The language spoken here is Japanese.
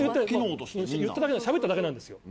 言っただけしゃべっただけなんですよ。